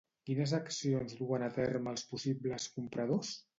Quines accions duen a terme els possibles compradors?